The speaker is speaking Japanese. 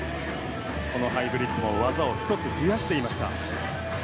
このハイブリッドは技を１つ増やしていきました。